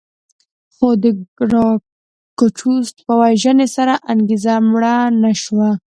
خو د ګراکچوس په وژنې سره انګېزه مړه نه شوه